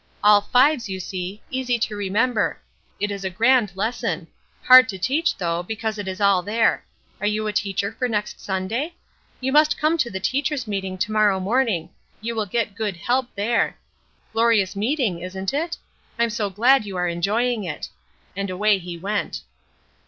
"All fives, you see. Easy to remember. It is a grand lesson. Hard to teach, though, because it is all there. Are you a teacher for next Sunday? You must come to the teachers' meeting to morrow morning; you will get good help there. Glorious meeting, isn't it? I'm so glad you are enjoying it." And away he went.